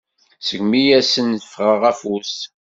Segmi asen-ffɣeɣ afus.